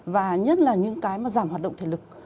và nhất là những cái mà giảm hoạt động thể lực